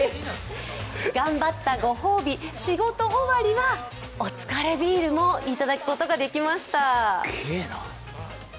頑張ったごほうび、仕事終わりはお疲れビールも頂くことができました。